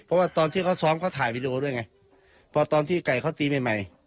เพราะว่าตอนที่เขาซ้อมเขาถ่ายวีดีโอด้วยไงพอตอนที่ไก่เขาตีใหม่ใหม่